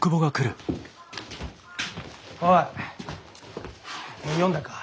おい読んだか？